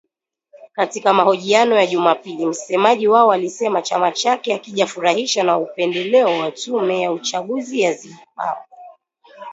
Katika mahojiano ya Jumapili ,msemaji wao alisema chama chake hakijafurahishwa na upendeleo wa tume ya uchaguzi ya Zimbabwe.